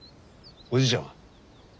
おじいちゃんは？